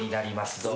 どうぞ。